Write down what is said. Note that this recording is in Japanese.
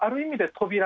扉！？